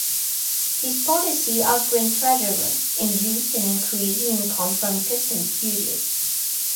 His policy as Grand Treasurer, induced an increase in income from customs duties.